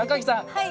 はい。